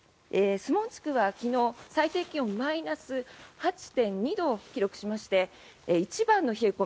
守門地区は昨日、最低気温マイナス８．２度を記録しまして一番の冷え込み